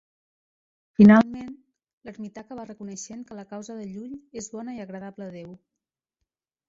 Finalment, l'ermità acaba reconeixent que la causa de Llull és bona i agradable a Déu.